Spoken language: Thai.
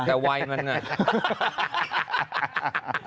แต่ว่ายมันหน่า